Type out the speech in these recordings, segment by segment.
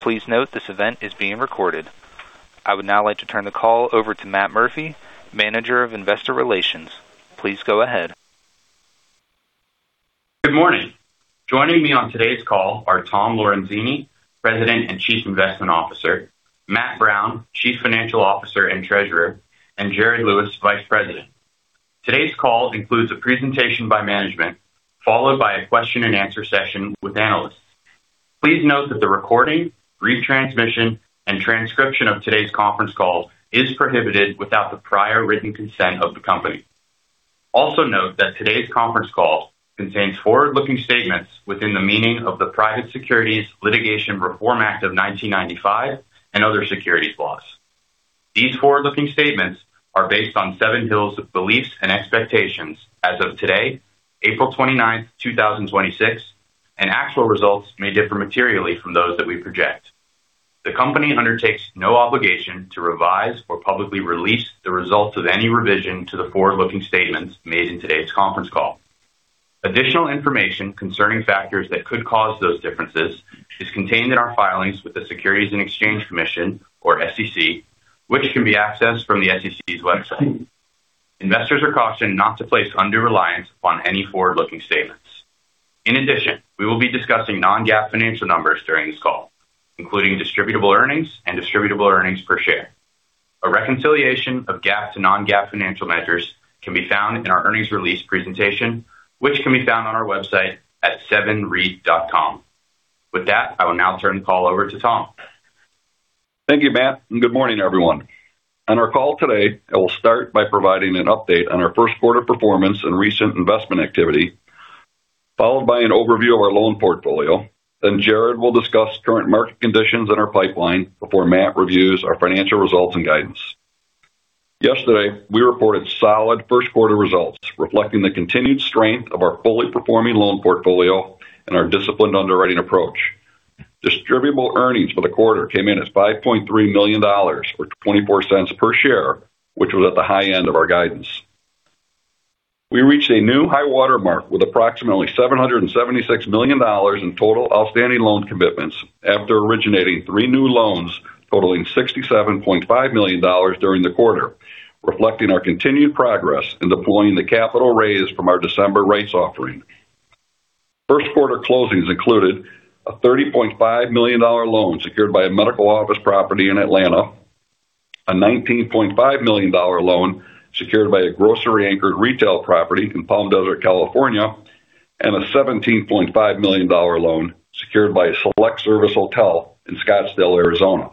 Please note this event is being recorded. I would now like to turn the call over to Matt Murphy, Manager of Investor Relations. Please go ahead. Good morning. Joining me on today's call are Tom Lorenzini, President and Chief Investment Officer, Matt Brown, Chief Financial Officer and Treasurer, and Jared Lewis, Vice President. Today's call includes a presentation by management, followed by a question and answer session with analysts. Please note that the recording, retransmission, and transcription of today's conference call is prohibited without the prior written consent of the company. Note that today's conference call contains forward-looking statements within the meaning of the Private Securities Litigation Reform Act of 1995 and other securities laws. These forward-looking statements are based on Seven Hills' beliefs and expectations as of today, April 29, 2026, and actual results may differ materially from those that we project. The company undertakes no obligation to revise or publicly release the results of any revision to the forward-looking statements made in today's conference call. Additional information concerning factors that could cause those differences is contained in our filings with the Securities and Exchange Commission, or SEC, which can be accessed from the SEC's website. Investors are cautioned not to place undue reliance on any forward-looking statements. In addition, we will be discussing non-GAAP financial numbers during this call, including distributable earnings and distributable earnings per share. A reconciliation of GAAP to non-GAAP financial measures can be found in our earnings release presentation, which can be found on our website at sevnreit.com. With that, I will now turn the call over to Tom. Thank you, Matt. Good morning, everyone. On our call today, I will start by providing an update on our first quarter performance and recent investment activity, followed by an overview of our loan portfolio. Jared will discuss current market conditions in our pipeline before Matt reviews our financial results and guidance. Yesterday, we reported solid first quarter results, reflecting the continued strength of our fully performing loan portfolio and our disciplined underwriting approach. Distributable earnings for the quarter came in as $5.3 million or $0.24 per share, which was at the high end of our guidance. We reached a new high water mark with approximately $776 million in total outstanding loan commitments after originating three new loans totaling $67.5 million during the quarter, reflecting our continued progress in deploying the capital raised from our December rights offering. First quarter closings included a $30.5 million loan secured by a medical office property in Atlanta, a $19.5 million loan secured by a grocery anchored retail property in Palmdale, California, and a $17.5 million loan secured by a select service hotel in Scottsdale, Arizona.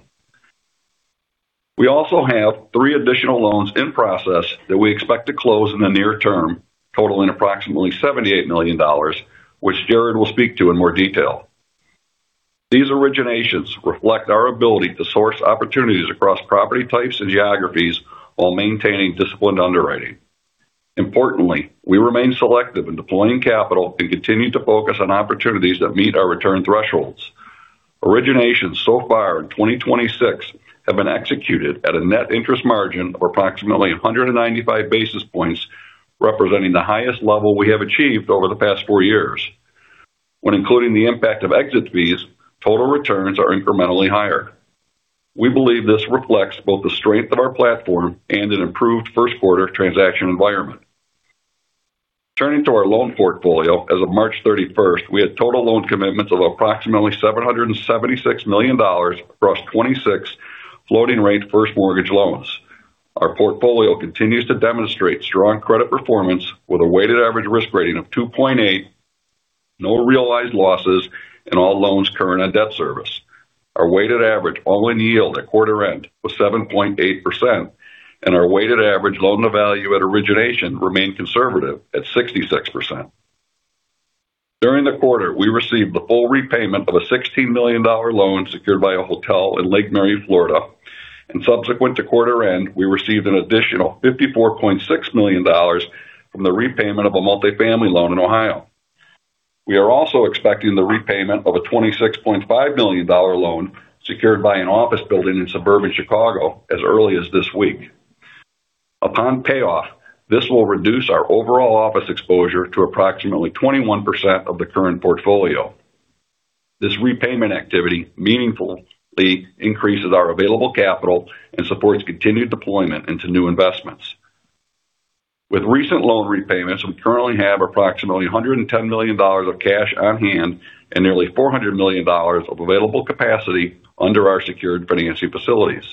We also have three additional loans in process that we expect to close in the near term, totaling approximately $78 million, which Jared will speak to in more detail. These originations reflect our ability to source opportunities across property types and geographies while maintaining disciplined underwriting. Importantly, we remain selective in deploying capital and continue to focus on opportunities that meet our return thresholds. Originations so far in 2026 have been executed at a net interest margin of approximately 195 basis points, representing the highest level we have achieved over the past four years. When including the impact of exit fees, total returns are incrementally higher. We believe this reflects both the strength of our platform and an improved first quarter transaction environment. Turning to our loan portfolio, as of March 31st, we had total loan commitments of approximately $776 million across 26 floating rate first mortgage loans. Our portfolio continues to demonstrate strong credit performance with a weighted average risk rating of 2.8, no realized losses, and all loans current on debt service. Our weighted average all-in yield at quarter end was 7.8%, and our weighted average loan-to-value at origination remained conservative at 66%. During the quarter, we received the full repayment of a $16 million loan secured by a hotel in Lake Mary, Florida, and subsequent to quarter end, we received an additional $54.6 million from the repayment of a multifamily loan in Ohio. We are also expecting the repayment of a $26.5 million loan secured by an office building in suburban Chicago as early as this week. Upon payoff, this will reduce our overall office exposure to approximately 21% of the current portfolio. This repayment activity meaningfully increases our available capital and supports continued deployment into new investments. With recent loan repayments, we currently have approximately $110 million of cash on hand and nearly $400 million of available capacity under our secured financing facilities.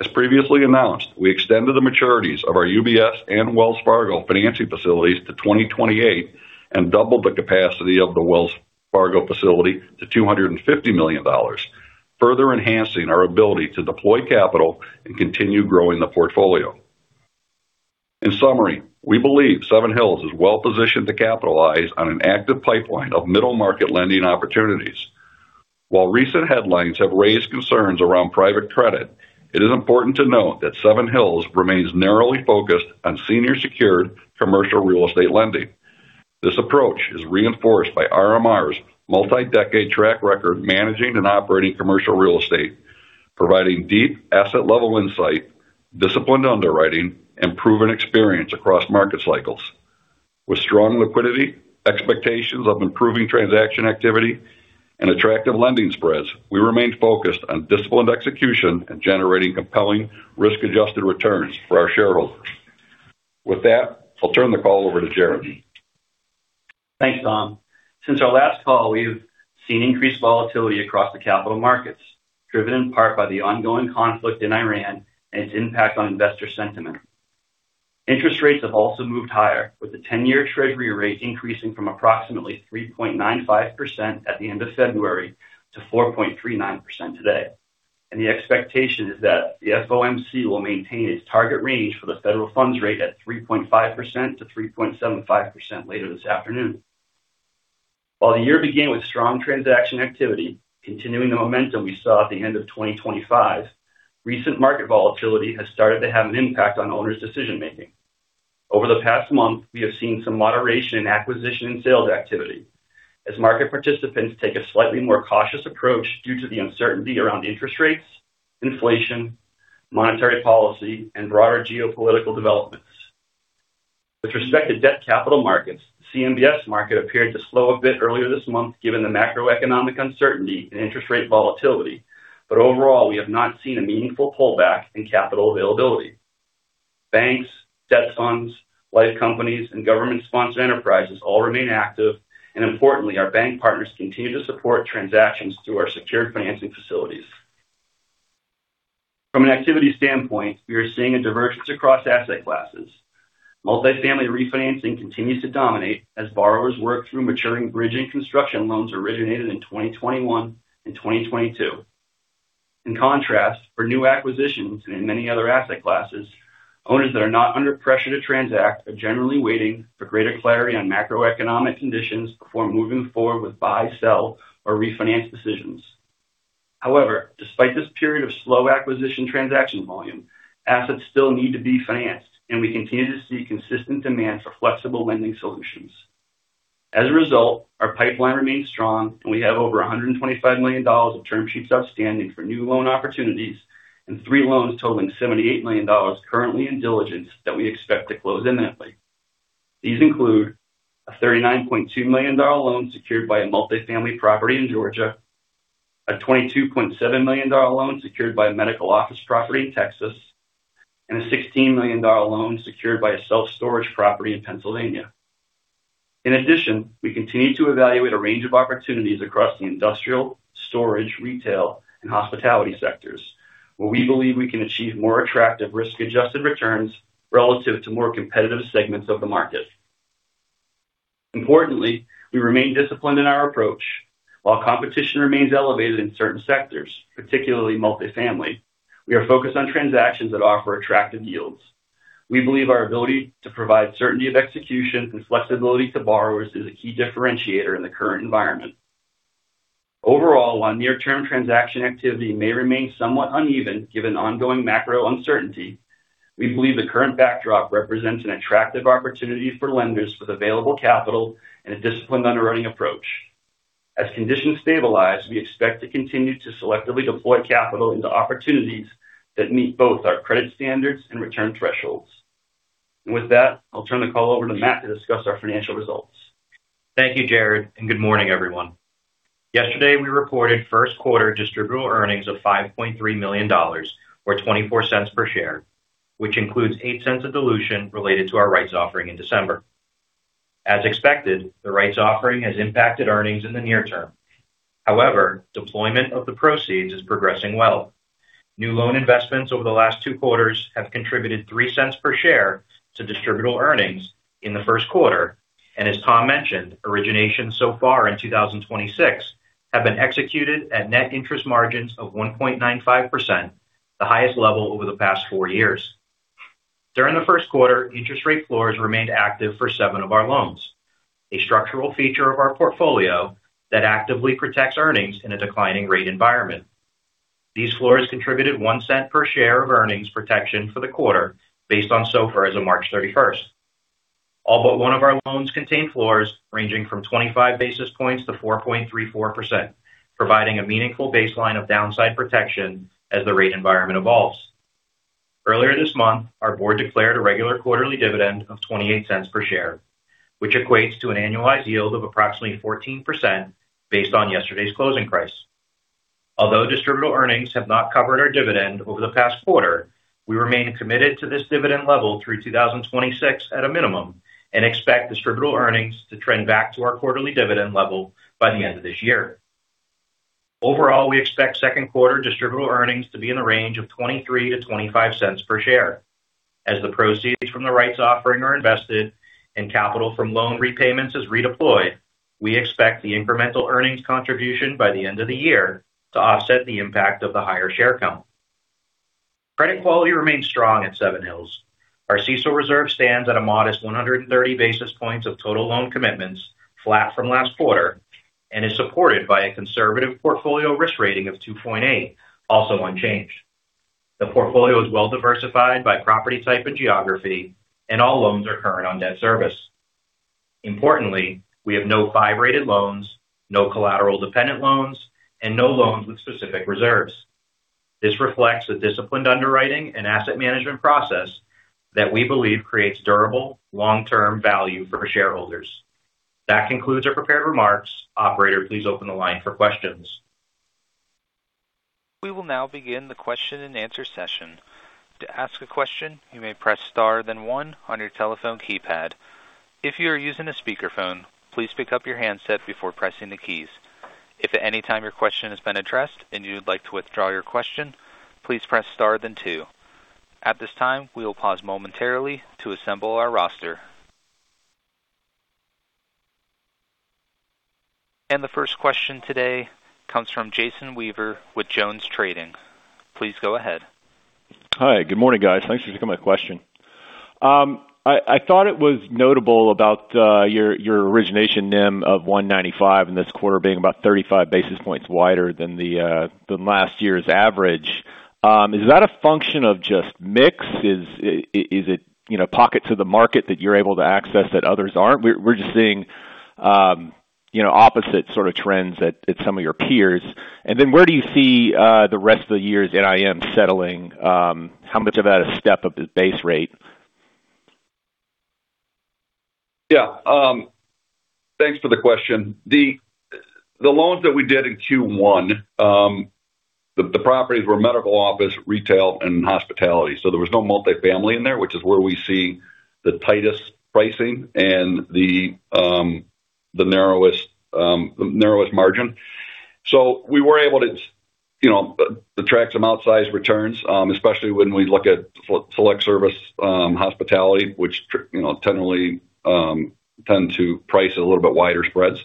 As previously announced, we extended the maturities of our UBS and Wells Fargo financing facilities to 2028 and doubled the capacity of the Wells Fargo facility to $250 million, further enhancing our ability to deploy capital and continue growing the portfolio. In summary, we believe Seven Hills is well-positioned to capitalize on an active pipeline of middle-market lending opportunities. While recent headlines have raised concerns around private credit, it is important to note that Seven Hills remains narrowly focused on senior secured commercial real estate lending. This approach is reinforced by RMR's multi-decade track record managing and operating commercial real estate, providing deep asset-level insight, disciplined underwriting, and proven experience across market cycles. With strong liquidity, expectations of improving transaction activity and attractive lending spreads, we remain focused on disciplined execution and generating compelling risk-adjusted returns for our shareholders. With that, I'll turn the call over to Jared. Thanks, Tom. Since our last call, we have seen increased volatility across the capital markets, driven in part by the ongoing conflict in Iran and its impact on investor sentiment. Interest rates have also moved higher, with the ten-year treasury rate increasing from approximately 3.95% at the end of February to 4.39% today. The expectation is that the FOMC will maintain its target range for the federal funds rate at 3.5%-3.75% later this afternoon. While the year began with strong transaction activity, continuing the momentum we saw at the end of 2025, recent market volatility has started to have an impact on owners' decision making. Over the past month, we have seen some moderation in acquisition and sales activity as market participants take a slightly more cautious approach due to the uncertainty around interest rates, inflation, monetary policy, and broader geopolitical developments. With respect to debt capital markets, CMBS market appeared to slow a bit earlier this month given the macroeconomic uncertainty and interest rate volatility. Overall, we have not seen a meaningful pullback in capital availability. Banks, debt funds, life companies and government-sponsored enterprises all remain active. Importantly, our bank partners continue to support transactions through our secured financing facilities. From an activity standpoint, we are seeing a divergence across asset classes. Multifamily refinancing continues to dominate as borrowers work through maturing bridge and construction loans originated in 2021 and 2022. In contrast, for new acquisitions and in many other asset classes, owners that are not under pressure to transact are generally waiting for greater clarity on macroeconomic conditions before moving forward with buy, sell, or refinance decisions. However, despite this period of slow acquisition transaction volume, assets still need to be financed, and we continue to see consistent demand for flexible lending solutions. As a result, our pipeline remains strong and we have over $125 million of term sheets outstanding for new loan opportunities and three loans totaling $78 million currently in diligence that we expect to close imminently. These include a $39.2 million loan secured by a multifamily property in Georgia, a $22.7 million loan secured by a medical office property in Texas, and a $16 million loan secured by a self-storage property in Pennsylvania. In addition, we continue to evaluate a range of opportunities across the industrial, storage, retail, and hospitality sectors, where we believe we can achieve more attractive risk-adjusted returns relative to more competitive segments of the market. Importantly, we remain disciplined in our approach. While competition remains elevated in certain sectors, particularly multifamily, we are focused on transactions that offer attractive yields. We believe our ability to provide certainty of execution and flexibility to borrowers is a key differentiator in the current environment. Overall, while near-term transaction activity may remain somewhat uneven given ongoing macro uncertainty, we believe the current backdrop represents an attractive opportunity for lenders with available capital and a disciplined underwriting approach. As conditions stabilize, we expect to continue to selectively deploy capital into opportunities that meet both our credit standards and return thresholds. With that, I'll turn the call over to Matt to discuss our financial results. Thank you, Jared, and good morning, everyone. Yesterday, we reported first quarter distributable earnings of $5.3 million or $0.24 per share, which includes $0.08 of dilution related to our rights offering in December. As expected, the rights offering has impacted earnings in the near term. However, deployment of the proceeds is progressing well. New loan investments over the last 2 quarters have contributed $0.03 per share to distributable earnings in the first quarter. As Tom mentioned, originations so far in 2026 have been executed at net interest margins of 1.95%, the highest level over the past 4 years. During the first quarter, interest rate floors remained active for seven of our loans, a structural feature of our portfolio that actively protects earnings in a declining rate environment. These floors contributed $0.01 per share of earnings protection for the quarter based on SOFR as of March 31st. All but one of our loans contain floors ranging from 25 basis points to 4.34%, providing a meaningful baseline of downside protection as the rate environment evolves. Earlier this month, our board declared a regular quarterly dividend of $0.28 per share, which equates to an annualized yield of approximately 14% based on yesterday's closing price. Although distributable earnings have not covered our dividend over the past quarter, we remain committed to this dividend level through 2026 at a minimum and expect distributable earnings to trend back to our quarterly dividend level by the end of this year. Overall, we expect second quarter distributable earnings to be in the range of $0.23-$0.25 per share. As the proceeds from the rights offering are invested and capital from loan repayments is redeployed, we expect the incremental earnings contribution by the end of the year to offset the impact of the higher share count. Credit quality remains strong at Seven Hills. Our CECL reserve stands at a modest 130 basis points of total loan commitments, flat from last quarter, and is supported by a conservative portfolio risk rating of 2.8, also unchanged. The portfolio is well diversified by property type and geography, and all loans are current on debt service. Importantly, we have no 5-rated loans, no collateral-dependent loans, and no loans with specific reserves. This reflects a disciplined underwriting and asset management process that we believe creates durable long-term value for shareholders. That concludes our prepared remarks. Operator, please open the line for questions. We will now begin the question-and-answer session. To ask a question, you may press star then one on your telephone keypad. If you are using a speakerphone, please pick up your handset before pressing the keys. If at any time your question has been addressed and you would like to withdraw your question, please press star then two. At this time, we will pause momentarily to assemble our roster. The first question today comes from Jason Weaver with Jones Trading. Please go ahead. Hi. Good morning, guys. Thanks for taking my question. I thought it was notable about your origination NIM of 195 in this quarter being about 35 basis points wider than last year's average. Is that a function of just mix? You know, pocket to the market that you're able to access that others aren't? We're just seeing, you know, opposite sort of trends at some of your peers. Where do you see the rest of the year's NIM settling? How much of that is step of the base rate? Yeah. Thanks for the question. The loans that we did in Q1, the properties were medical office, retail, and hospitality. There was no multifamily in there, which is where we see the tightest pricing and the narrowest margin. We were able to, you know, attract some outsized returns, especially when we look at select service hospitality, which, you know, technically, tend to price at a little bit wider spreads.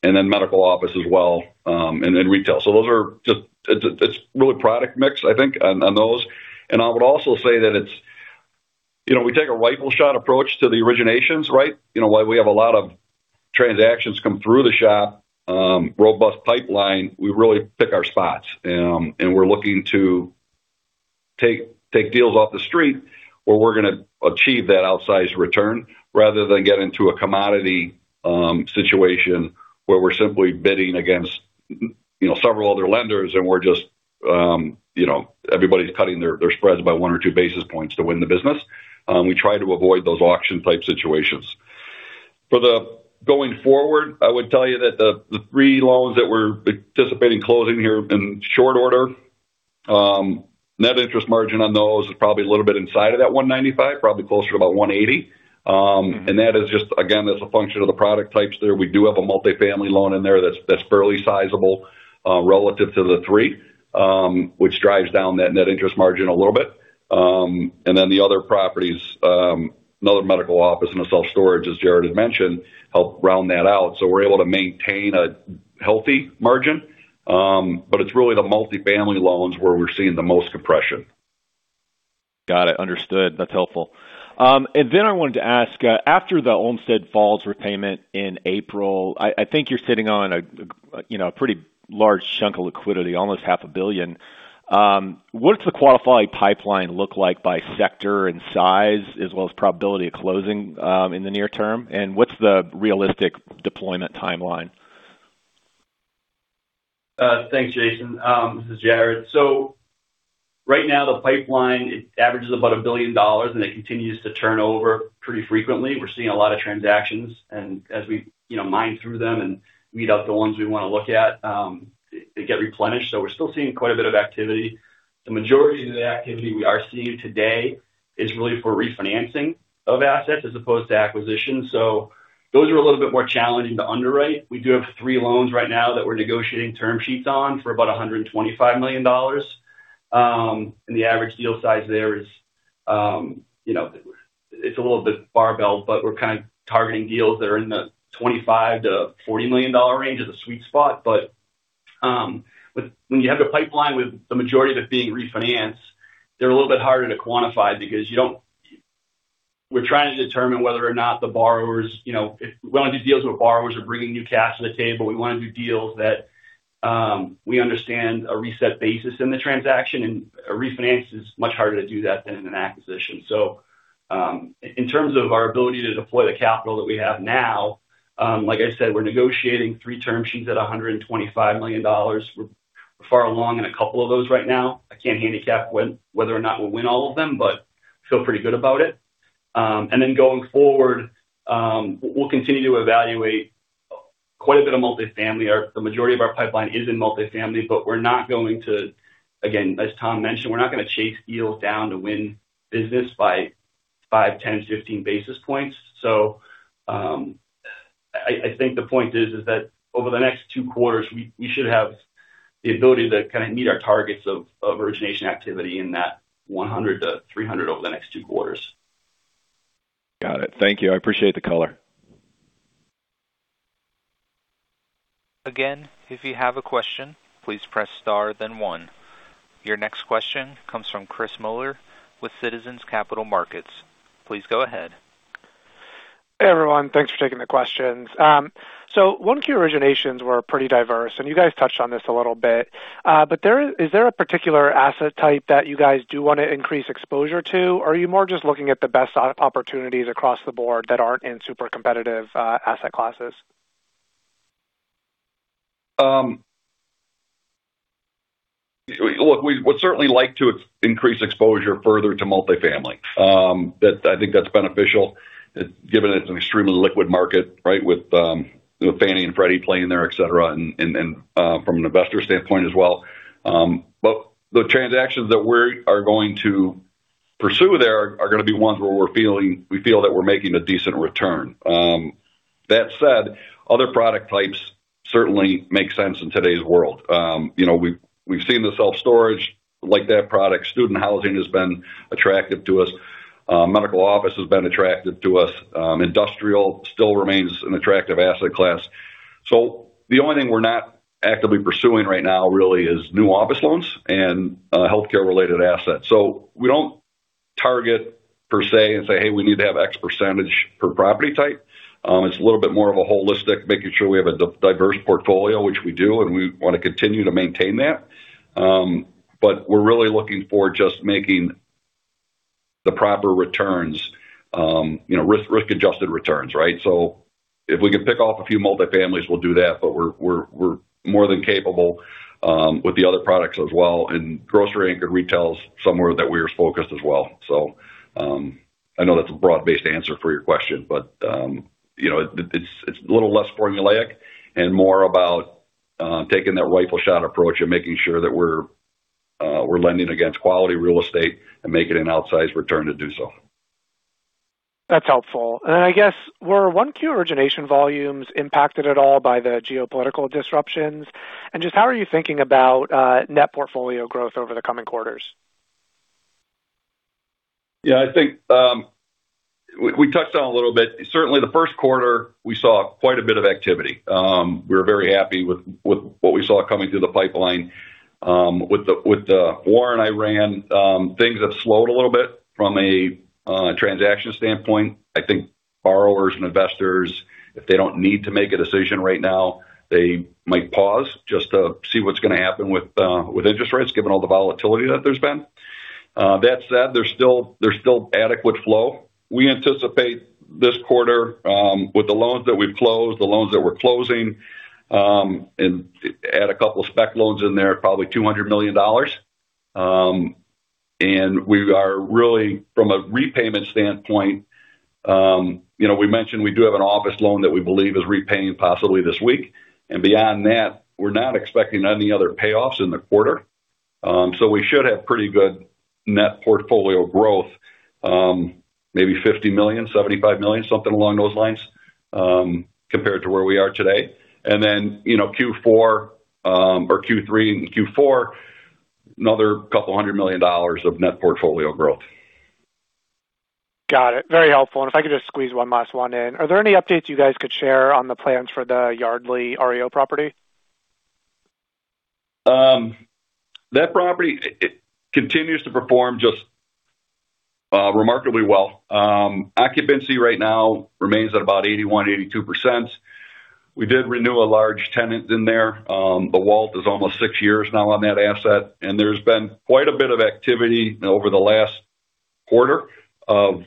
And then medical office as well, and then retail. Those are just, it's really product mix, I think, on those. I would also say that it's. You know, we take a rifle shot approach to the originations, right? You know, while we have a lot of transactions come through the shop, robust pipeline, we really pick our spots. We're looking to take deals off the street where we're going to achieve that outsized return rather than get into a commodity situation where we're simply bidding against, you know, several other lenders and we're just, you know, everybody's cutting their spreads by 1 or 2 basis points to win the business. We try to avoid those auction-type situations. For the going forward, I would tell you that the 3 loans that we're anticipating closing here in short order, net interest margin on those is probably a little bit inside of that 195, probably closer to about 180. That is just again, as a function of the product types there. We do have a multifamily loan in there that's fairly sizable, relative to the three, which drives down that net interest margin a little bit. Then the other properties, another medical office and a self-storage, as Jared had mentioned, help round that out. We're able to maintain a healthy margin. It's really the multifamily loans where we're seeing the most compression. Got it. Understood. That's helpful. I wanted to ask, after the Olmsted Falls repayment in April, I think you're sitting on a, you know, a pretty large chunk of liquidity, almost $0.5 billion. What does the qualifying pipeline look like by sector and size as well as probability of closing, in the near term? What's the realistic deployment timeline? Thanks, Jason. This is Jared. Right now, the pipeline averages about $1 billion, and it continues to turn over pretty frequently. We're seeing a lot of transactions. As we, you know, mine through them and meet up the ones we wanna look at, they get replenished. We're still seeing quite a bit of activity. The majority of the activity we are seeing today is really for refinancing of assets as opposed to acquisition. Those are a little bit more challenging to underwrite. We do have three loans right now that we're negotiating term sheets on for about $125 million. The average deal size there is, you know, it's a little bit barbell, but we're kind of targeting deals that are in the $25 million-$40 million range as a sweet spot. When you have the pipeline with the majority of it being refinance, they're a little bit harder to quantify because we're trying to determine whether or not the borrowers, you know, we wanna do deals where borrowers are bringing new cash to the table. We wanna do deals that we understand a reset basis in the transaction, a refinance is much harder to do that than in an acquisition. In terms of our ability to deploy the capital that we have now, like I said, we're negotiating three term sheets at $125 million. We're far along in a couple of those right now. I can't handicap whether or not we'll win all of them, feel pretty good about it. Then going forward, we'll continue to evaluate quite a bit of multifamily. The majority of our pipeline is in multifamily, but we're not going to. Again, as Tom mentioned, we're not gonna chase deals down to win business by 5, 10, 15 basis points. I think the point is that over the next two quarters, we should have the ability to kind of meet our targets of origination activity in that 100 to 300 over the next two quarters. Got it. Thank you. I appreciate the color. Again, if you have a question, please press star one. Your next question comes from Chris Muller with Citizens Capital Markets. Please go ahead. Hey, everyone. Thanks for taking the questions. Q originations were pretty diverse, and you guys touched on this a little bit. Is there a particular asset type that you guys do wanna increase exposure to? Or are you more just looking at the best opportunities across the board that aren't in super competitive, asset classes? We would certainly like to increase exposure further to multifamily. I think that's beneficial, given it's an extremely liquid market, right? With, you know, Fannie and Freddie playing there, et cetera, and from an investor standpoint as well. The transactions that we are going to pursue there are gonna be ones where we feel that we're making a decent return. That said, other product types certainly make sense in today's world. You know, we've seen the self-storage, like that product. Student housing has been attractive to us. Medical office has been attractive to us. Industrial still remains an attractive asset class. The only thing we're not actively pursuing right now really is new office loans and healthcare related assets. We don't target per se and say, "Hey, we need to have X% per property type." It's a little bit more of a holistic, making sure we have a diverse portfolio, which we do, and we wanna continue to maintain that. We're really looking for just making the proper returns, you know, risk-adjusted returns, right? If we can pick off a few multifamilies, we'll do that. We're more than capable with the other products as well. Grocery anchored retail is somewhere that we are focused as well. I know that's a broad-based answer for your question, but, you know, it's, it's a little less formulaic and more about taking that rifle shot approach and making sure that we're lending against quality real estate and making an outsized return to do so. That's helpful. Then I guess were 1Q origination volumes impacted at all by the geopolitical disruptions? Just how are you thinking about net portfolio growth over the coming quarters? Yeah, I think, we touched on a little bit. Certainly the first quarter we saw quite a bit of activity. We were very happy with what we saw coming through the pipeline. With the war in Iran, things have slowed a little bit from a transaction standpoint. I think borrowers and investors, if they don't need to make a decision right now, they might pause just to see what's gonna happen with interest rates, given all the volatility that there's been. That said, there's still adequate flow. We anticipate this quarter, with the loans that we've closed, the loans that we're closing, and add a couple spec loans in there, probably $200 million. We are really from a repayment standpoint, you know, we mentioned we do have an office loan that we believe is repaying possibly this week. Beyond that, we're not expecting any other payoffs in the quarter. We should have pretty good net portfolio growth, maybe $50 million, $75 million, something along those lines, compared to where we are today. You know, Q4, or Q3 and Q4, another $200 million of net portfolio growth. Got it. Very helpful. If I could just squeeze one last one in. Are there any updates you guys could share on the plans for the Yardley REO property? That property, it continues to perform just remarkably well. Occupancy right now remains at about 81%-82%. We did renew a large tenant in there. The WALT is almost six years now on that asset, and there's been quite a bit of activity over the last quarter of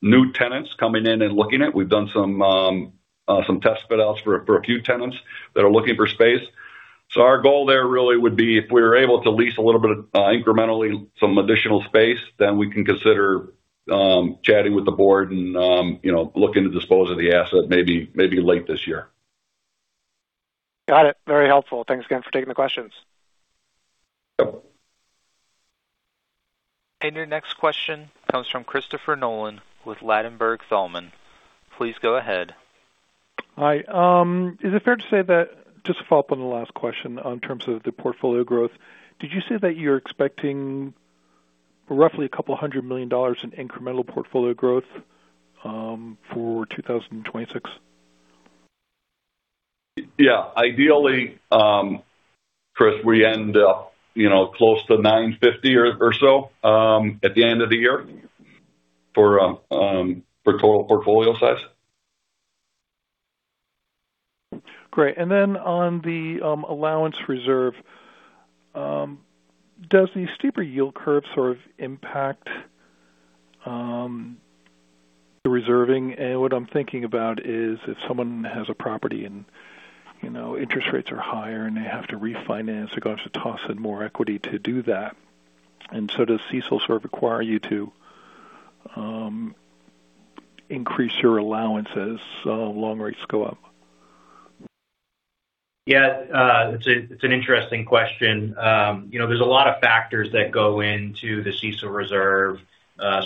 new tenants coming in and looking at. We've done some test fit outs for a few tenants that are looking for space. Our goal there really would be if we're able to lease a little bit incrementally some additional space, then we can consider chatting with the board and, you know, looking to dispose of the asset late this year. Got it. Very helpful. Thanks again for taking the questions. Yep. Your next question comes from Christopher Nolan with Ladenburg Thalmann. Please go ahead. Hi. Just to follow up on the last question in terms of the portfolio growth. Did you say that you're expecting roughly $200 million in incremental portfolio growth for 2026? Yeah. Ideally, Chris, we end up, you know, close to $950 or so at the end of the year for total portfolio size. Great. On the allowance reserve, does the steeper yield curve sort of impact the reserving? What I'm thinking about is if someone has a property and, you know, interest rates are higher and they have to refinance, they're going to have to toss in more equity to do that. Does CECL sort of require you to increase your allowances, loan rates go up? Yeah. It's an interesting question. You know, there's a lot of factors that go into the CECL reserve.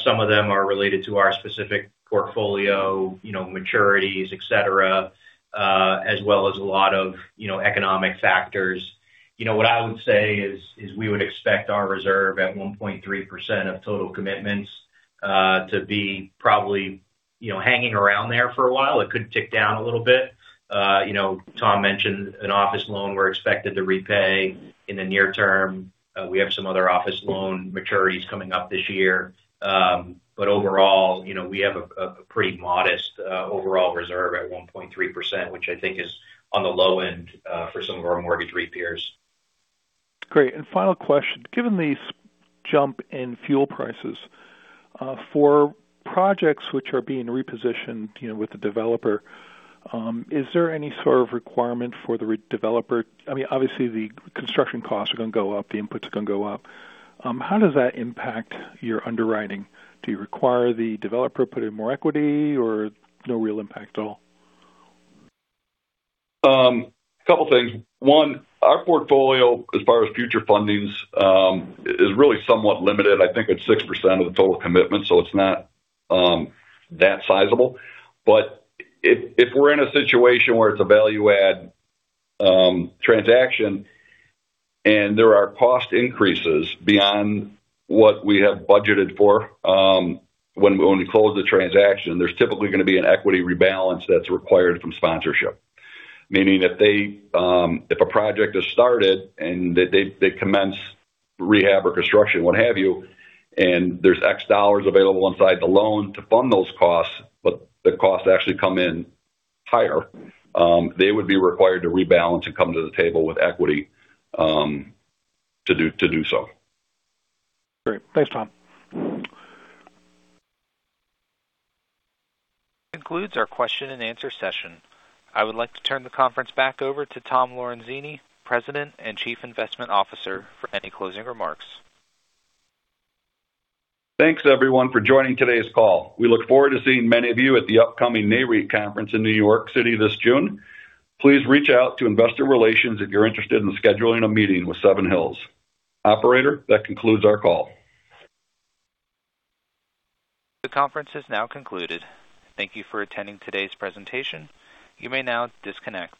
Some of them are related to our specific portfolio, you know, maturities, et cetera, as well as a lot of, you know, economic factors. You know, what I would say is, we would expect our reserve at 1.3% of total commitments to be probably, you know, hanging around there for a while. It could tick down a little bit. You know, Tom mentioned an office loan we're expected to repay in the near term. We have some other office loan maturities coming up this year. Overall, you know, we have a pretty modest overall reserve at 1.3%, which I think is on the low end for some of our mortgage REIT peers. Great. Final question. Given the jump in fuel prices, for projects which are being repositioned, you know, with the developer, is there any sort of requirement for the developer? I mean, obviously the construction costs are gonna go up, the input's gonna go up. How does that impact your underwriting? Do you require the developer to put in more equity or no real impact at all? A couple things. One, our portfolio as far as future fundings is really somewhat limited. I think it's 6% of the total commitment, so it's not that sizable. If we're in a situation where it's a value add transaction and there are cost increases beyond what we have budgeted for, when we close the transaction, there's typically going to be an equity rebalance that's required from sponsorship. Meaning if a project is started and they commence rehab or construction, what have you, and there's X dollars available inside the loan to fund those costs, but the costs actually come in higher, they would be required to rebalance and come to the table with equity to do so. Great. Thanks, Tom. This concludes our question and answer session. I would like to turn the conference back over to Tom Lorenzini, President and Chief Investment Officer, for any closing remarks. Thanks, everyone, for joining today's call. We look forward to seeing many of you at the upcoming Nareit Conference in New York City this June. Please reach out to investor relations if you're interested in scheduling a meeting with Seven Hills. Operator, that concludes our call. The conference is now concluded. Thank you for attending today's presentation. You may now disconnect.